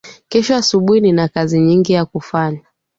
Kesho asubuhi nina kazi nyingi ya kufanya.